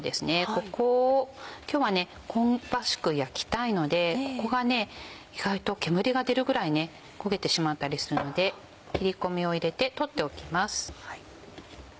ここを今日は香ばしく焼きたいのでここが意外と煙が出るぐらい焦げてしまったりするので切り込みを入れて取っておきます。